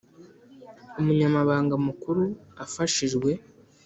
Umunyamabanga Mukuru afashijwe